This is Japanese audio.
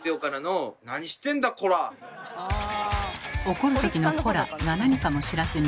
怒るときの「コラ！」が何かも知らずに。